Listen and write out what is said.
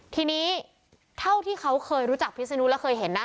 ทีนี้เท่าที่เขาเคยรู้จักพิศนุแล้วเคยเห็นนะ